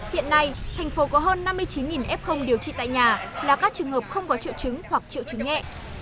hiện nay thành phố có hơn năm mươi chín f điều trị tại nhà là các trường hợp không có triệu chứng hoặc triệu chứng nhẹ